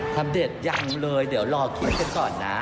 ทำเด็ดยังเลยเดี๋ยวรอคิดเสร็จส่วนนะ